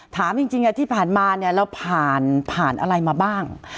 ถามจริงที่ผ่านมาเนี่ยเราผ่านผ่านอะไรมาบ้าง